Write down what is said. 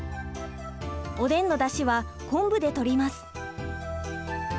おでんのだしは昆布でとります。